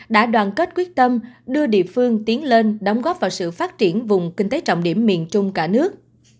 đã đoàn kết quyết tâm đưa địa phương tiến lên đóng góp vào sự phát triển vùng kinh tế trọng điểm miền trung cả nước